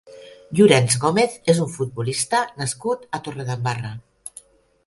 Llorenç Gomez és un futbolista nascut a Torredembarra.